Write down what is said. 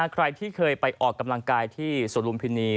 ใครที่เคยไปออกกำลังกายที่สวนลุมพินี